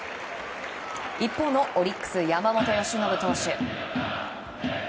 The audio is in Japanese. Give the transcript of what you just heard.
一方のオリックス山本由伸投手。